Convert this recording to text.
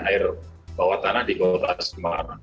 air bawah tanah di kota semarang